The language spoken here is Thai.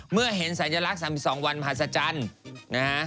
เมื่อเห็นสัญลักษณ์๓๒วันมหัศจรรย์นะฮะ